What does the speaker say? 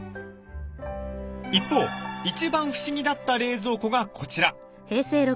一方一番不思議だった冷蔵庫がこちら。